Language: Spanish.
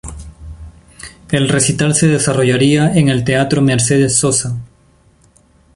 El recital se desarrollaría en el Teatro Mercedes Sosa.